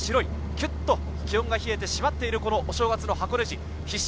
吐く息が白い、ギュっと気温が冷えてしまっているお正月の箱根路。